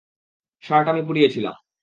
Shirt আমি পুড়িয়েছিলাম।